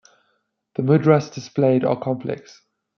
The mudras displayed are complex.